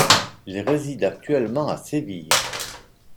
Il réside actuellement à Séville.